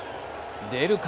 出るか！